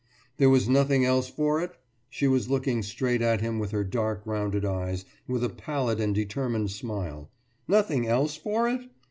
There was nothing else for it? She was looking straight at him with her dark rounded eyes, with a pallid and determined smile. Nothing else for it?